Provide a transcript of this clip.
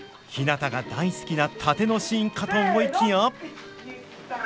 ひなたが大好きな殺陣のシーンかと思いきや。